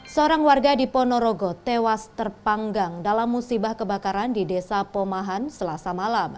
seorang warga di ponorogo tewas terpanggang dalam musibah kebakaran di desa pomahan selasa malam